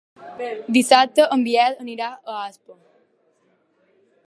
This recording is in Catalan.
Dissabte en Biel anirà a Aspa.